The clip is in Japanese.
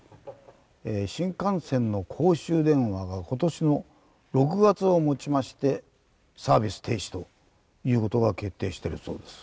ええ新幹線の公衆電話は今年の６月をもちましてサービス停止という事が決定してるそうです。